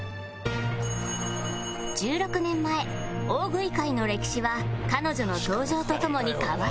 １６年前大食い界の歴史は彼女の登場とともに変わった